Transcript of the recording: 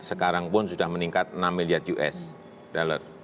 sekarang pun sudah meningkat enam miliar usd